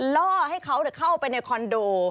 ล่อให้เขาเข้าไปในคอนโด